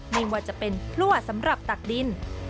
ไม่ว่าจะเป็นพลั่วสำหรับตักดิน